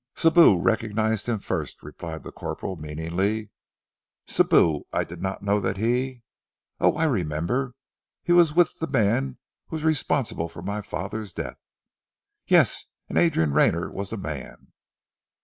"Sibou recognized him first," replied the corporal meaningly. "Sibou! I did not know that he Oh, I remember. He was with the man who was responsible for my father's death." "Yes, and Adrian Rayner was the man."